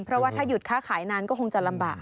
เพราะว่าถ้าหยุดค้าขายนานก็คงจะลำบาก